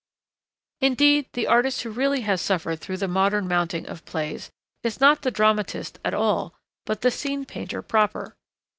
Indeed, the artist who really has suffered through the modern mounting of plays is not the dramatist at all, but the scene painter proper.